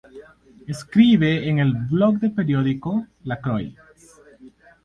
Escribe en un blog del periódico La Croix.